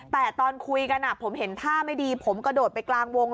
แต่ตอนคุยกันผมเห็นท่าไม่ดีผมกระโดดไปกลางวง